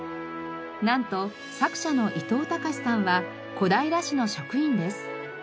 なんと作者のいとうたかしさんは小平市の職員です。